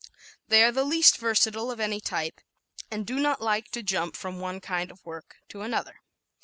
They are the least versatile of any type and do not like to jump from one kind of work to another.